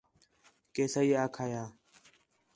کہ صحیح آکھایا